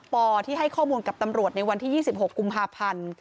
ปที่ให้ข้อมูลกับตำรวจในวันที่๒๖กุมภาพันธ์